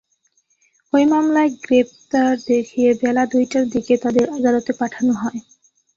ওই মামলায় গ্রেপ্তার দেখিয়ে বেলা দুইটার দিকে তাঁদের আদালতে পাঠানো হয়।